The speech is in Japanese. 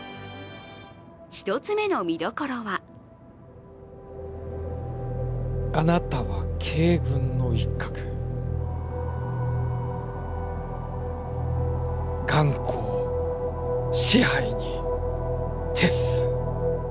１つ目の見どころはあなたは鶏群の一鶴眼光紙背に徹す。